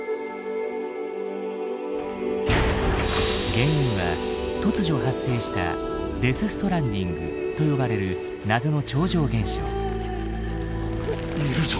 原因は突如発生した「デス・ストランディング」と呼ばれる謎の超常現象。